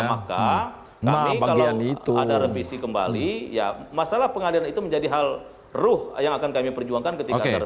maka kami kalau ada revisi kembali ya masalah pengadilan itu menjadi hal ruh yang akan kami perjuangkan ketika